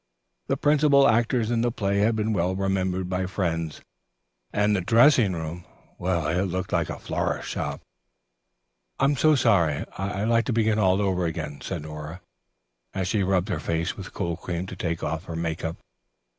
The principal actors in the play had been well remembered by friends, and the dressing rooms looked like a florist's shop. "I'm so sorry. I'd like to begin all over again," said Nora, as she rubbed her face with cold cream to take off her make up.